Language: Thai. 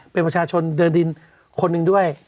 เป็นประชาชนเดินดินคนหนึ่งด้วย